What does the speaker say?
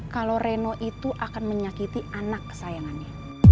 kalau reno itu akan menyakiti anak kesayangannya